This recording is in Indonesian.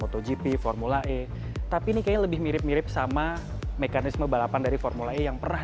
motogp formula e tapi ini kayaknya lebih mirip mirip sama mekanisme balapan dari formula e yang pernah